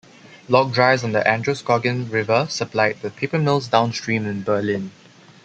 Log drives on the Androscoggin River supplied the papermills downstream in Berlin.